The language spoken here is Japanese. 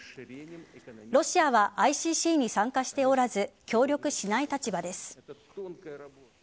ロシアはＩＣＣに参加しておらず協力しない立場です。